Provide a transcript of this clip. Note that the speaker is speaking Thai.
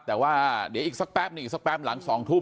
แต่ว่าเดี๋ยวอีกสักแป๊บหนึ่งอีกสักแป๊บหลัง๒ทุ่ม